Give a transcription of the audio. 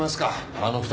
あの２人。